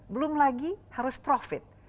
belum lagi harus profit